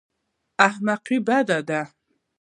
احمقي بد دی.